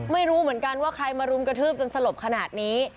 ไม่รู้เหมือนกันว่าใครมารุมกระทืบจนสลบขนาดนี้